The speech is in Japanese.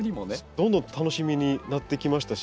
どんどん楽しみになってきましたし